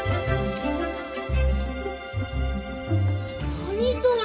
何それ？